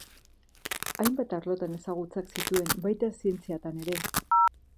Hainbat arlotan ezagutzan zituen, baita zientziatan ere.